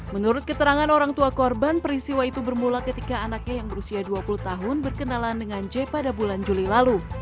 menurut keterangan orang tua korban perisiwa itu bermula ketika anaknya yang berusia dua puluh tahun berkenalan dengan j pada bulan juli lalu